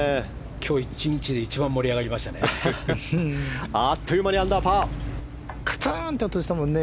今日一日で一番盛り上がりましたね。